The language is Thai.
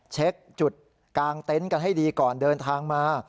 เช็คจุดกลางเต็นต์กันให้ดีก่อนเดินทางมา